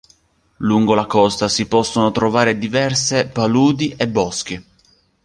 Lungo la costa si possono trovare diverse paludi e boschi.